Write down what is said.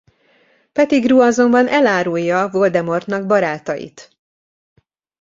Pettigrew azonban elárulja Voldemortnak barátait.